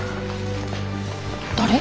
誰？